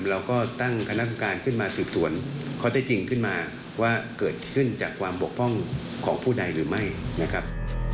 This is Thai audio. เราก็ตั้งคณะกรรมการขึ้นมาสืบสวนข้อได้จริงขึ้นมาว่าเกิดขึ้นจากความบกพร่องของผู้ใดหรือไม่นะครับ